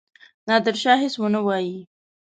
نادرشاه هیڅ ونه وايي.